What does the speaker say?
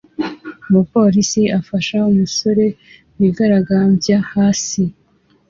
Umupolisi ufasha umusore wigaragambyaga hasi